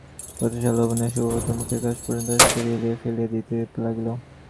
প্রশংসার লোভনীয় সুধাপাত্র মুখের কাছ পর্যন্ত আসিতেই ঠেলিয়া ফেলিয়া দিতে লাগিল।